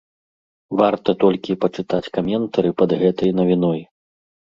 Варта толькі пачытаць каментары пад гэтай навіной.